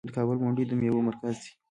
د کابل منډوي د میوو مرکز دی.